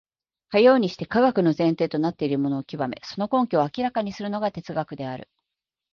かようにして科学の前提となっているものを究め、その根拠を明らかにするのが哲学である。